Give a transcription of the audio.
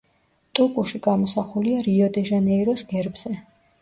ტუკუში გამოსახულია რიო-დე-ჟანეიროს გერბზე.